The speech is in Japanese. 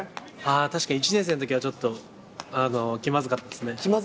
確かに１年生のときはちょっと、気まずかったですね。